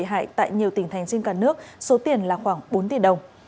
bị hại tại nhiều tỉnh thành trên cả nước số tiền là khoảng bốn tỷ đồng